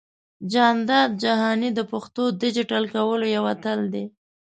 جانداد جهاني د پښتو ډىجيټل کولو يو اتل دى.